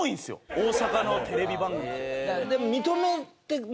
大阪のテレビ番組って。